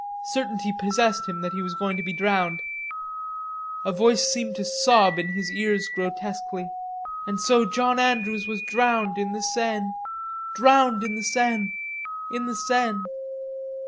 Certainty possessed him that he was going to be drowned. A voice seemed to sob in his ears grotesquely: "And so John Andrews was drowned in the Seine, drowned in the Seine, in the Seine."